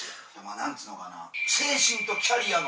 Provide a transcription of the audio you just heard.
何つうのかな。